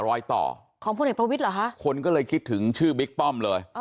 รอยต่อของพลเอกประวิทย์เหรอคะคนก็เลยคิดถึงชื่อบิ๊กป้อมเลย